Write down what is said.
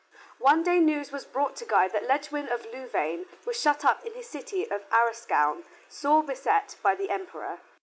One day news was brought to Guy that Ledgwin of Louvain was shut up in his city of Arrascoun sore beset by the Emperor.